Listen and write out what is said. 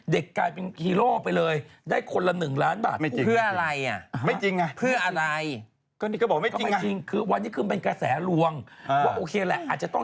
กลายเป็นฮีโร่ไปเลยได้คนละ๑ล้านบาท